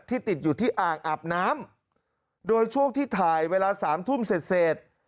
ติดอยู่ที่อ่างอาบน้ำโดยช่วงที่ถ่ายเวลาสามทุ่มเสร็จเสร็จ